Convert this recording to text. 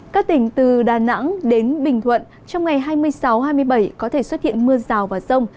các tỉnh từ đà nẵng đến bình thuận trong ngày hai mươi sáu hai mươi bảy có thể xuất hiện mưa rào và rông